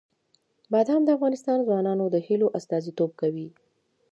بادام د افغان ځوانانو د هیلو استازیتوب کوي.